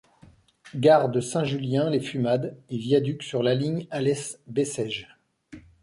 Gare de Saint-Julien - les Fumades et viaduc sur la ligne Alès-Bessèges.